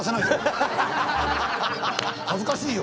恥ずかしいよ。